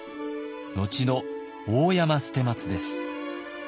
後の大山捨松です。